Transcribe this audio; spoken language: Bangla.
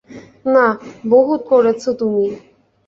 না, বহুত করেছো তুমি।